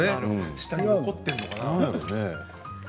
下に残っているのかな。